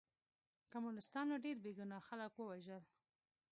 کمونستانو ډېر بې ګناه خلک ووژل